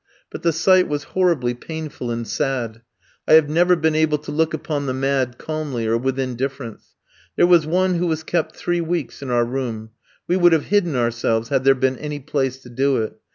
But the sight was horribly painful and sad. I have never been able to look upon the mad calmly or with indifference. There was one who was kept three weeks in our room: we would have hidden ourselves, had there been any place to do it.